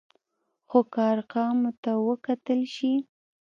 خو که ارقامو ته وکتل شي،